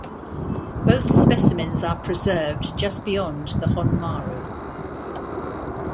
Both specimens are preserved just beyond the Honmaru.